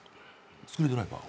スクリュードライバーを。